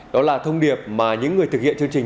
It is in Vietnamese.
đó là thông điệp mà những người thực hiện chương trình